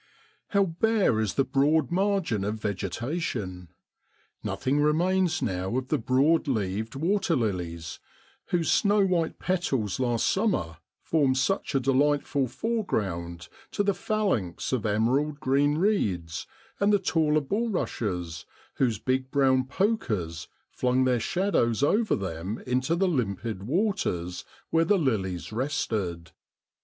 How bare is the Broad margin of vegetation ! Nothing remains now of the broad leaved water lilies, whose snow white petals last summer formed such a de lightful foreground to the phalanx of emerald green reeds, and the taller bulrushes, whose big brown ' pokers ' flung their shadows over them into the limpid waters where the lilies rested.